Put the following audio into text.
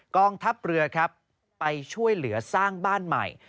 กองทัพเรือครับไปช่วยเหลือสร้างบ้านใหม่